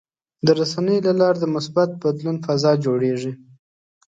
د رسنیو له لارې د مثبت بدلون فضا جوړېږي.